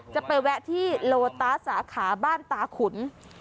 จะไปแวะที่โลตาสาขาบ้านตาขุน